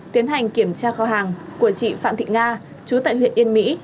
tiến hành kiểm tra kho hàng của chị phạm thị nga chú tại huyện yên mỹ